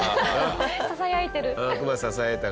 ささやいてる。